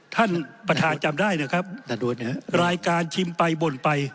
ท่านประธานจำได้นะครับรายการชิมไปบ่นไป